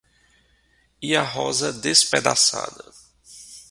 E a rosa espedaçada.